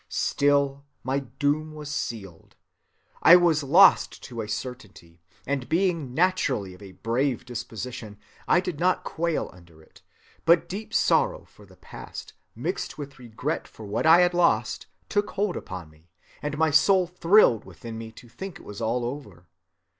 Still my doom was sealed. I was lost to a certainty, and being naturally of a brave disposition I did not quail under it, but deep sorrow for the past, mixed with regret for what I had lost, took hold upon me, and my soul thrilled within me to think it was all over.